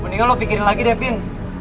mendingan lo pikirin lagi deh vin